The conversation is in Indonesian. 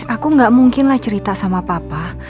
aku gak mungkin lah cerita sama papa